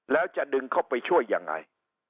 แล้วจะดึงเข้าไปช่วยยังไง